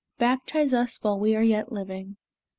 Baptize us while we are yet living."